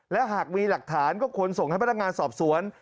และหากมีหลักฐานก็ควรส่งให้พนักงานสอบสวน